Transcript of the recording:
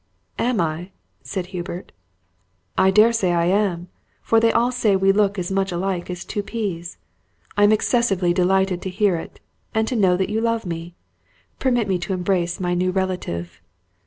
"Am I?" said Hubert. "I dare say I am, for they all say we look as much alike as two peas. I am excessively delighted to hear it, and to know that you love me. Permit me to embrace my new relative."